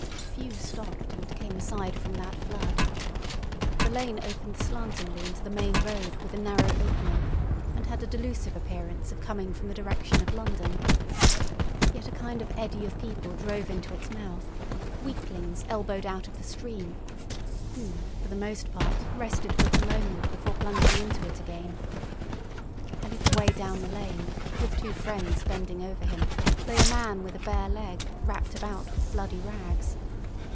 Few stopped and came aside from that flood. The lane opened slantingly into the main road with a narrow opening, and had a delusive appearance of coming from the direction of London. Yet a kind of eddy of people drove into its mouth; weaklings elbowed out of the stream, who for the most part rested but a moment before plunging into it again. A little way down the lane, with two friends bending over him, lay a man with a bare leg, wrapped about with bloody rags.